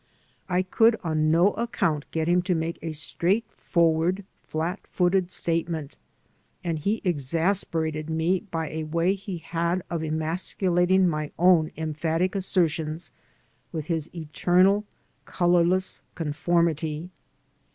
I could on no accoimt get him to make a straightforward, flat footed statement; and he exasperated me by a way he had of emasculating my own emphatic assertions with his eternal colorless conformity.